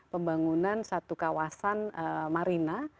pembangunan satu kawasan marina